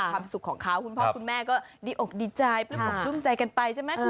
ความสุขของคราวคุณพ่อคุณแม่ก็แอดดีออกดีใจรู้หรือเปล่ารุ่นใจกันไปใช่ไหมครู